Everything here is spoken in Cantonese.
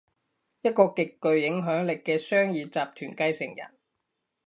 一個極具影響力嘅商業集團繼承人